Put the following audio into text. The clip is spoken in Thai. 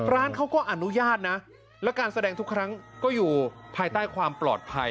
ร้านเขาก็อนุญาตนะและการแสดงทุกครั้งก็อยู่ภายใต้ความปลอดภัย